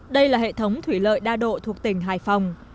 đây là hệ thống thủy lợi đa độ thuộc tỉnh hải phòng